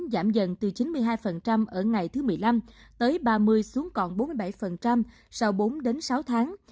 giảm dần từ chín mươi hai ở ngày thứ một mươi năm tới ba mươi xuống còn bốn mươi bảy sau bốn sáu tháng